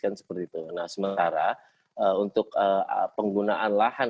nah sementara untuk penggunaan lahan